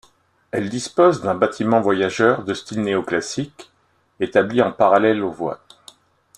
Elle dispose d'un bâtiment voyageurs de style néo-classique, établi en parallèle aux voies.